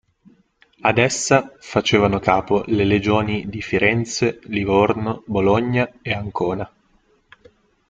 Ad essa facevano capo le "Legioni" di Firenze, Livorno, Bologna e Ancona.